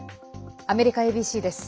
アメリカＡＢＣです。